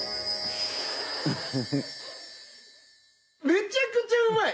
めちゃくちゃうまい！